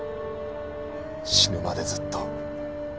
死ぬまでずっと。